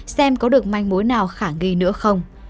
xem có được manh mối nào khả nghi nữa không